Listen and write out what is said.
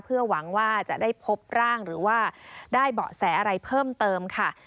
เพื่อหวังว่าจะได้พบร่างหรือว่าได้เบาะแสอะไรเพิ่มเติมค่ะ